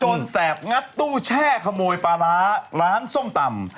แสบงัดตู้แช่ขโมยปลาร้าร้านส้มตำ